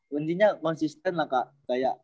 maksudnya konsisten lah kak